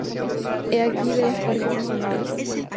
He aquí los parques nacionales.